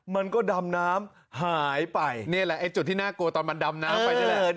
มันก็ดำน้ำหายไปนี่แหละไอ้จุดที่น่ากลัวตอนมันดำน้ำไปนี่แหละ